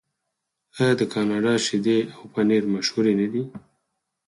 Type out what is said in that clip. آیا د کاناډا شیدې او پنیر مشهور نه دي؟